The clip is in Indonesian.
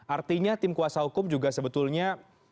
artinya tim kuasa hukum juga sebetulnya